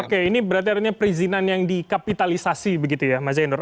oke ini berarti artinya perizinan yang dikapitalisasi begitu ya mas zainur